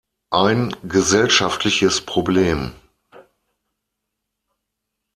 Ein gesellschaftliches Problem'.